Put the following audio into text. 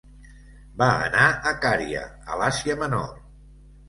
Va anar a Cària, a l'Àsia menor.